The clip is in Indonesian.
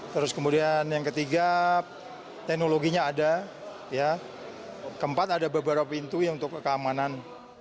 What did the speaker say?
terus kemudian yang ketiga teknologinya ada keempat ada beberapa pintu untuk keamanan